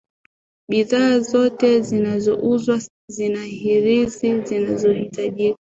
bidhaa zote zinazouzwa zina hirizi zinazohitajika